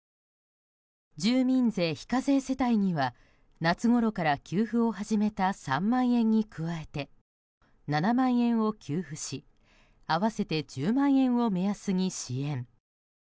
住民税非課税世帯には夏ごろから給付を始めた３万円に加えて７万円を給付し合わせて１０万円を目安に支援。